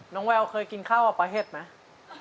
น้องแววใครกินข้าวกับประเภทไหม